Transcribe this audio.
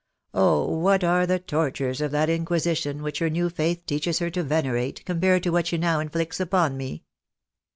Oh! what are the tortures of that inquisition which her new faith teaches her to venerate, compared to what she now inflicts upon me